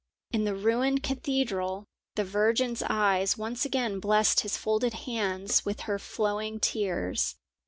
In the ruined cathedral the Virgin's eyes once again blessed his folded hands with her flowing tears.